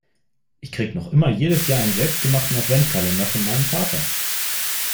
Ich krieg noch immer jedes Jahr einen selbstgemachten Adventkalender von meinem Vater.